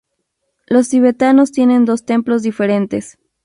Los tibetanos tienen dos templos diferentes.